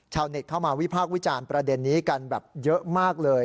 เน็ตเข้ามาวิพากษ์วิจารณ์ประเด็นนี้กันแบบเยอะมากเลย